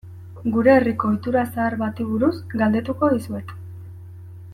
Gure herriko ohitura zahar bati buruz galdetuko dizuet.